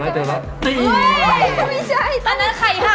ไม่ใช่ตอนนั้นไข่เหลา